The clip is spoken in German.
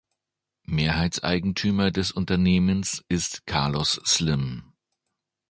Mehrheitseigentümer des Unternehmens ist Carlos Slim.